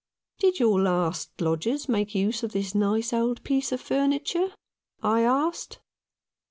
" Did your last lodgers make use of this nice old piece of furniture ?" I asked.